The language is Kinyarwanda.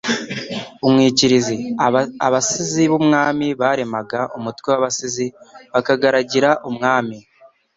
Umwikirizi “. Abasizi b'Umwami baremaga umutwe w'Abasizi bakagaragira umwami